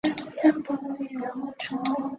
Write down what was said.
大学时期他两度入选全美大学最佳阵容。